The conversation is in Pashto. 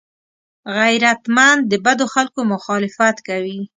غیرتمند د بدو خلکو مخالفت کوي